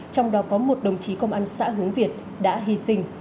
trong đó có một đồng chí công an xã hướng việt đã hy sinh